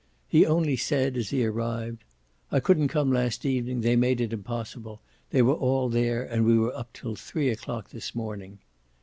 He only said as he arrived: "I couldn't come last evening; they made it impossible; they were all there and we were up till three o'clock this morning."